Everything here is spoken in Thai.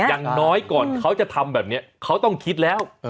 อย่างน้อยก่อนเขาจะทำแบบนี้เขาต้องคิดแล้ว